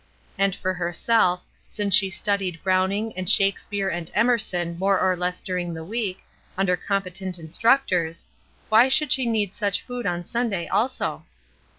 And for herself, since she studied Browning and Shake MODELS 109 speare and Emerson more or less during the week, under competent instructors, why should she need such food on Sunday also?